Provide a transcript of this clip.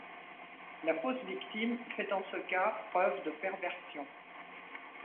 La fausse victime fait en ce cas preuve de perversion.